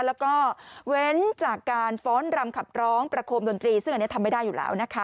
แล้วก็เว้นจากการฟ้อนรำขับร้องประโคมดนตรีซึ่งอันนี้ทำไม่ได้อยู่แล้วนะคะ